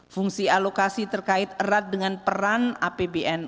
fungsi alokasi terkait erat dengan peran apbn